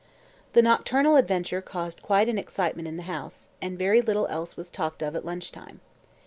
The nocturnal adventure caused quite an excitement in the house, and very little else was talked of at lunch time.